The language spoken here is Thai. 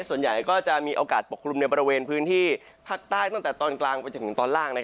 ส่วนใหญ่ก็จะมีโอกาสปกคลุมในบริเวณพื้นที่ภาคใต้ตั้งแต่ตอนกลางไปจนถึงตอนล่าง